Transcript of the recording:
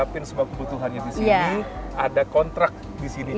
tapi semua kebutuhannya di sini ada kontrak di sini